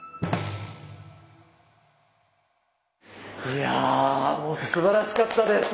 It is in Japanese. いやもうすばらしかったです！